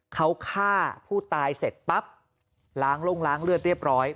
เขาฆ่าผู้ตายเสร็จปั๊บล้างล่วงล้างเลือดเรียบร้อย